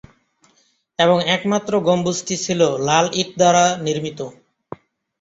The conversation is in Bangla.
এবং একমাত্র গম্বুজটি ছিল লাল ইট দ্বারা নির্মিত।